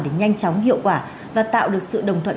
để nhanh chóng hiệu quả và tạo được sự đồng thuận